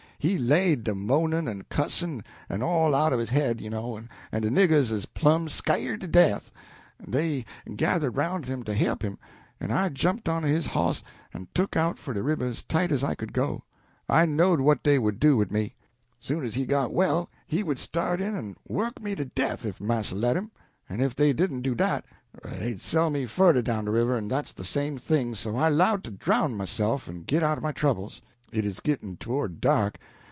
He laid dah moanin' en cussin', en all out of his head, you know, en de niggers 'uz plumb sk'yred to death. Dey gathered roun' him to he'p him, en I jumped on his hoss en took out for de river as tight as I could go. I knowed what dey would do wid me. Soon as he got well he would start in en work me to death if marster let him; en if dey didn't do dat, they'd sell me furder down de river, en dat's de same thing. So I 'lowed to drown myself en git out o' my troubles. It 'uz gitt'n' towards dark.